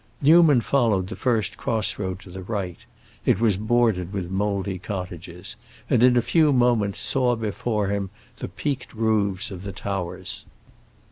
Newman followed the first cross road to the right—it was bordered with mouldy cottages—and in a few moments saw before him the peaked roofs of the towers.